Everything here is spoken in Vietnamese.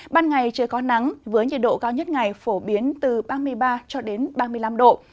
ban ngày trời có nắng với nhiệt độ cao nhất ngày phổ biến từ ba mươi ba ba mươi năm độ